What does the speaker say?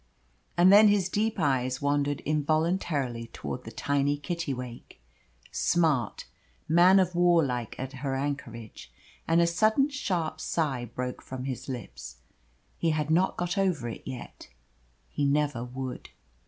And then his deep eyes wandered involuntarily towards the tiny Kittiwake smart, man of war like at her anchorage and a sudden sharp sigh broke from his lips. He had not got over it yet. He never would.